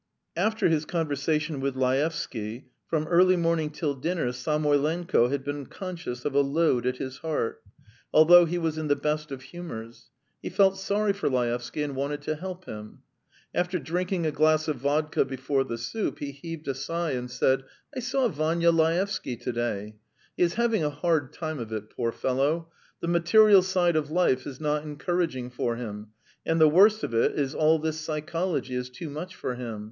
After his conversation with Laevsky, from early morning till dinner Samoylenko had been conscious of a load at his heart, although he was in the best of humours; he felt sorry for Laevsky and wanted to help him. After drinking a glass of vodka before the soup, he heaved a sigh and said: "I saw Vanya Laevsky to day. He is having a hard time of it, poor fellow! The material side of life is not encouraging for him, and the worst of it is all this psychology is too much for him.